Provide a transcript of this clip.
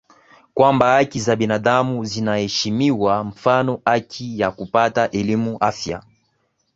kwamba haki za binadamu zinaheshimiwa mfano haki ya kupata elimu afya